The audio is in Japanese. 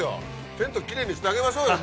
テントきれいにしてあげましょうよ